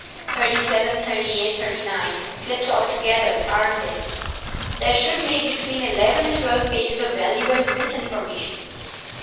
Thirty seven, thirty eight, thirty nine slips altogether, aren't there? That should make between eleven and twelve pages of valuable misinformation.